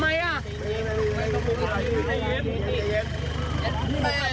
มันเกิดเหตุเป็นเหตุที่บ้านกลัว